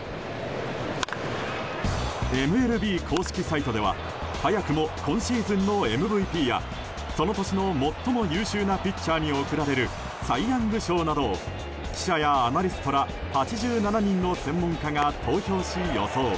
ＭＬＢ公式サイトでは早くも今シーズンのＭＶＰやその年の最も優秀なピッチャーに贈られるサイ・ヤング賞などを、記者やアナリストら８７人の専門家が投票し、予想。